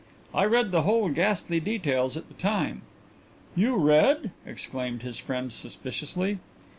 "I read the whole ghastly details at the time." "You read?" exclaimed his friend suspiciously.